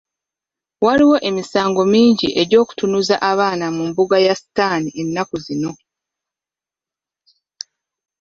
Waliwo emisango mingi egy'okutunuza abaana mu mbuga ya sitaani ennaku zino.